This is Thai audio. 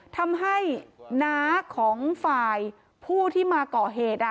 ทำให้น้าของฝ่ายผู้ที่มาก่อเหตุ